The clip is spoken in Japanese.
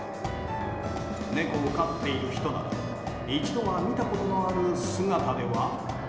猫を飼っている人なら１度は見たことのある姿では？